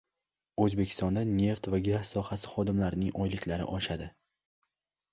O‘zbekistonda neft va gaz sohasi xodimlarining oyliklari oshadi